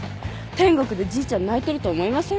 天国でじいちゃん泣いてると思いません？